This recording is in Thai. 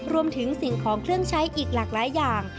สิ่งของเครื่องใช้อีกหลากหลายอย่าง